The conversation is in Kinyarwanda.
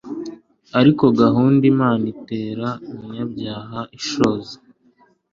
ariko gukunda imana bitera umunyabyaha ishozi